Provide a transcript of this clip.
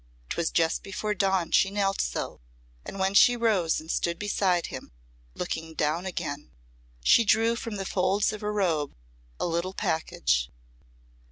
'Twas just before dawn she knelt so, and when she rose and stood beside him, looking down again, she drew from the folds of her robe a little package.